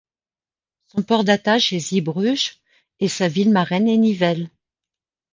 Son port d'attache est Zeebruges et sa ville marraine est Nivelles.